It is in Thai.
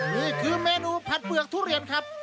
นี่คือเมนูผัดเปลือกทุเรียนครับ